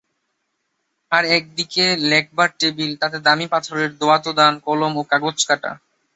আর-এক দিকে লেখবার টেবিল, তাতে দামি পাথরের দোয়াতদান, কলম ও কাগজকাটা।